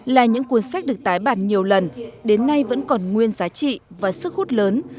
là những cuốn sách được tái bản nhiều lần đến nay vẫn còn nguyên giá trị và sức hút lớn